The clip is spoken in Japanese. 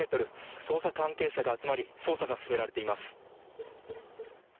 捜査関係者が集まり捜査が進められています。